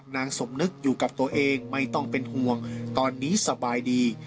นางสมนึกอยู่กับตัวเองไม่ต้องเป็นห่วงตอนนี้สบายดี